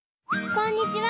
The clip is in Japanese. こんにちは！